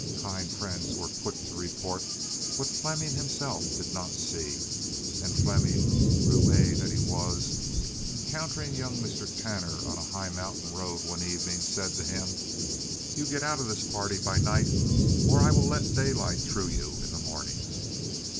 Kind friends were quick to report what Fleming himself did not see, and Fleming, roue that he was, encountering young Mr. Tanner on a high mountain road one evening, said to him, "You get out of this party by night, or I will let daylight through you in the morning."